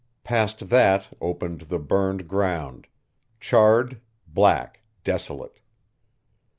Past that opened the burned ground, charred, black, desolate.